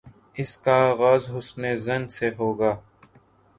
اس کا آغاز حسن ظن سے ہو گا۔